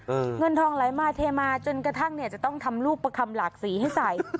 เงินทองไหลมาเทมาจนกระทั่งเนี่ยจะต้องทำลูกประคำหลากสีให้ใส่